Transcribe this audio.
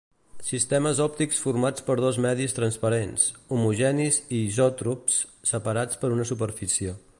Sistemes òptics formats per dos medis transparents, homogenis i isòtrops, separats per una superfície.